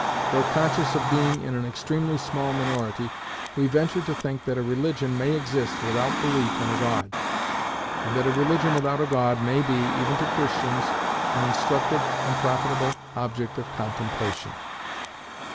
Though conscious of being in an extremely small minority, we venture to think that a religion may exist without belief in a God, and that a religion without a God may be, even to Christians, an instructive and profitable object of contemplation.